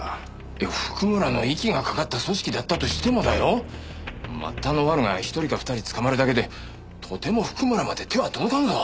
いや譜久村の息がかかった組織だったとしてもだよ末端のワルが１人か２人捕まるだけでとても譜久村まで手は届かんぞ。